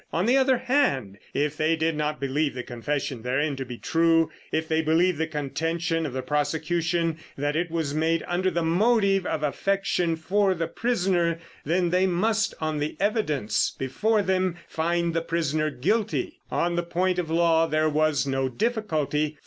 On the other hand, if they did not believe the confession therein to be true, if they believed the contention of the prosecution that it was made under the motive of affection for the prisoner, then they must, on the evidence before them, find the prisoner guilty. On the point of law there was no difficulty.